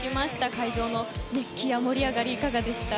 会場の熱気や盛り上がりいかがでした？